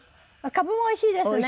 カブもおいしいですね。